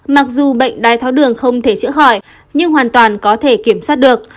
mặc dù bệnh đai tháo đường không thể chữa khỏi nhưng hoàn toàn có thể kiểm soát được